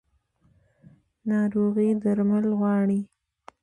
ناروغي درمل غواړي